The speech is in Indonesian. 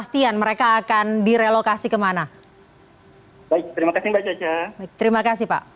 terima kasih pak